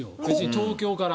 東京から。